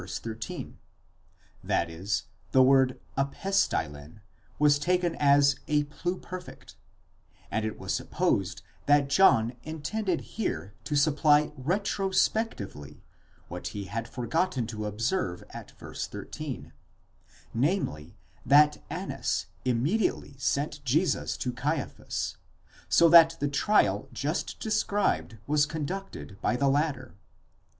13 ; 1.6., the word ἀπέστειλεν was taken as a pluperfect, and it was supposed that John intended here to supply retro spectively what he had forgotten to observe at v. 13, namely, that Annas immediately sent Jesus to Caiaphas, so that the trial just described was con ducted by the latter.